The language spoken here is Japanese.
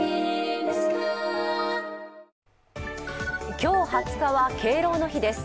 今日２０日は敬老の日です。